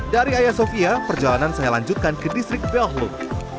dari ayasofya perjalanan saya lanjutkan ke distrik belhluk